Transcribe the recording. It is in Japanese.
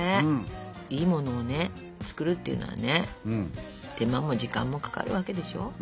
いいものをね作るっていうのはね手間も時間もかかるわけでしょ。